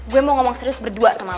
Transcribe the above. gue mau ngomong serius berdua sama aku